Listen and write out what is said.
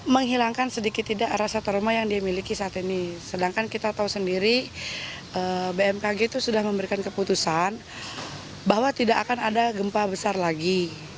mereka memberikan keputusan bahwa tidak akan ada gempa besar lagi